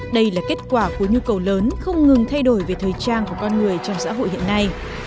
đây là kết quả của nhu cầu lớn không ngừng thay đổi về thời trang của con người trong xã hội hiện nay